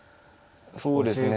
そうですね。